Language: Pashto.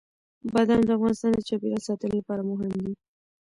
بادام د افغانستان د چاپیریال ساتنې لپاره مهم دي.